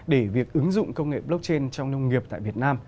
để việc ứng dụng công nghệ blockchain trong nông nghiệp tại việt nam